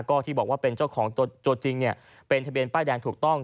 ก็เป็นทะเบียนป้ายแดงถูกต้อง